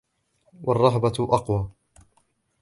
وَالرَّهْبَةَ أَقْوَى